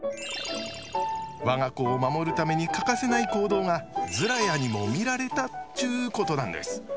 我が子を守るために欠かせない行動がズラヤにも見られたっちゅうことなんです。